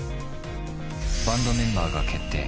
バンドメンバーが決定。